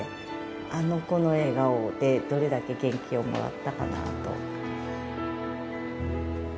あの子の笑顔で、どれだけ元気をもらったかなと。